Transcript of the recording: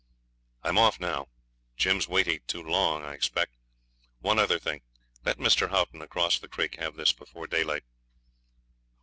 'I'm off now. Jim's waited too long, I expect. One other thing; let Mr. Haughton, across the creek, have this before daylight.'